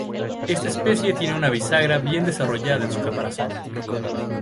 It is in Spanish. Esta especie tiene una bisagra bien desarrollada en su caparazón.